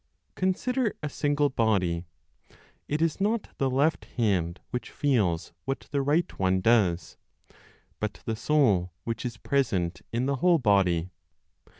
Consider a single body: it is not the left hand which feels what the right one does, but the soul which is present in the whole body.